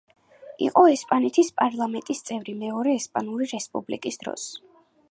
იყო ესპანეთის პარლამენტის წევრი მეორე ესპანური რესპუბლიკის დროს.